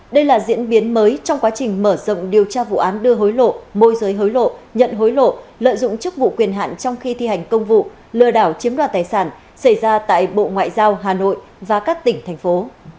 đây là diễn biến mới trong quá trình mở rộng điều tra vụ án đưa hối lộ môi giới hối lộ nhận hối lộ lợi dụng chức vụ quyền hạn trong khi thi hành công vụ lừa đảo chiếm đoạt tài sản xảy ra tại bộ ngoại giao hà nội và các tỉnh thành phố